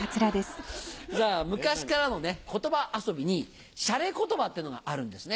昔からの言葉遊びにしゃれ言葉ってのがあるんですね。